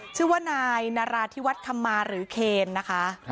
ชื่อว่านายนาราธิวัฒน์คำมาหรือเคนนะคะ